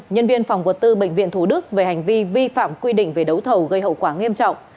nhân viên phòng vật tư bệnh viện thủ đức về hành vi vi phạm quy định về đấu thầu gây hậu quả nghiêm trọng